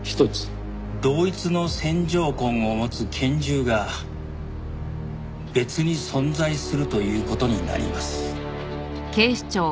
同一の線条痕を持つ拳銃が別に存在するという事になります。